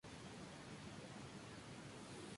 Grietas longitudinales pocas y gruesas.